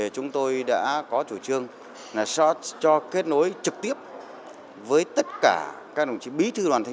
chúng tôi đã có chủ trương là shot cho kết nối trực tiếp với tất cả các đồng chí bí thư đoàn thị